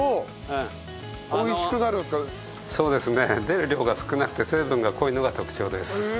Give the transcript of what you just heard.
出る量が少なくて成分が濃いのが特徴です。